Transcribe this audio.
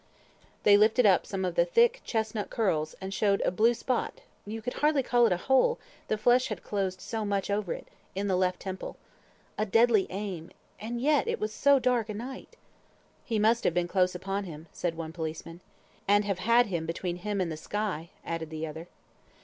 They lifted up some of the thick chestnut curls, and showed a blue spot (you could hardly call it a hole, the flesh had closed so much over it) in the left temple. A deadly aim! And yet it was so dark a night! "He must have been close upon him," said one policeman. "And have had him between him and the sky," added the other.